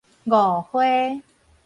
五花